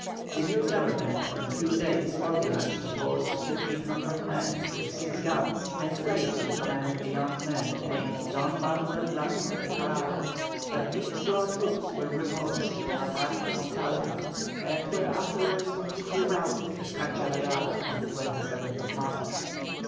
The new Government in a few days organized a force of 1,500 men with six guns, and placed in command a young man named DON MANUEL BLANCO ENCALADA, but these raw troops were repulsed in an attack upon Talca, and were afterwards completely routed at Cancha Rayada on the 27th March.